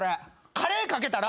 カレーかけたら。